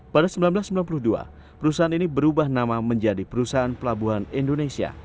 pada seribu sembilan ratus sembilan puluh dua perusahaan ini berubah nama menjadi perusahaan pelabuhan indonesia